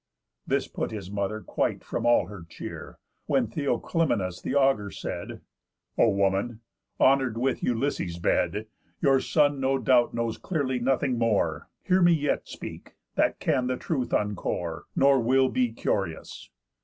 This put his mother quite from all her cheer. When Theoclymenus the augur said: "O woman, honour'd with Ulysses' bed, Your son, no doubt, knows clearly nothing more, Hear me yet speak, that can the truth uncore, Nor will be curious.